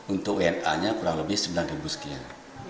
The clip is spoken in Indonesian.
untuk nak nya kurang lebih sembilan ribu sekian